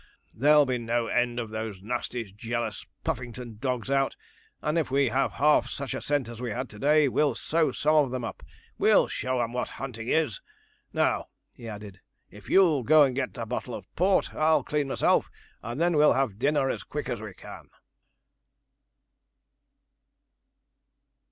There'll be no end of those nasty, jealous, Puffington dogs out; and if we have half such a scent as we had to day, we'll sew some of them up, we'll show 'em what hunting is. Now,' he added, 'if you'll go and get the bottle of port, I'll clean myself, and then we'll have dinner as quick as we can.'